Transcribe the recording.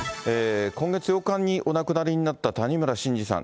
今月８日にお亡くなりになった谷村新司さん。